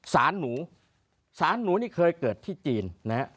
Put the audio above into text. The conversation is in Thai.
สารหนูสารหนูนี่เคยเกิดที่จีนนะฮะ